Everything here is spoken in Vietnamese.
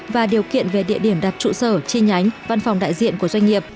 và điều kiện về địa điểm đặt trụ sở chi nhánh văn phòng đại diện của doanh nghiệp